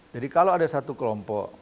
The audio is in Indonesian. jadi kalau ada satu kelompok